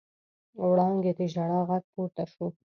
وړانګې د ژړا غږ پورته شو.